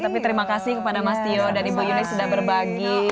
tapi terima kasih kepada mas tio dan ibu yuni sudah berbagi